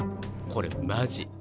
これマジ。